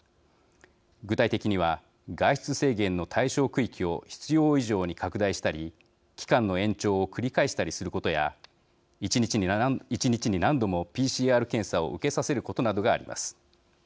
具体的には、外出制限の対象区域を必要以上に拡大したり期間の延長を繰り返したりすることや１日に何度もＰＣＲ検査を受けさせることなどがあります。